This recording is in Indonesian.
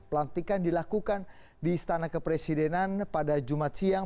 pelantikan dilakukan di istana kepresidenan pada jumat siang